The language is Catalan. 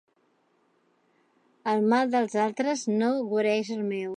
El mal dels altres no guareix el meu.